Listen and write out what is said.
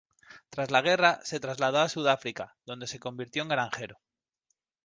Tras la guerra, se trasladó a Sudáfrica, donde se convirtió en granjero.